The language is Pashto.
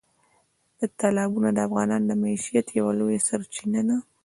تالابونه د افغانانو د معیشت یوه لویه سرچینه ده.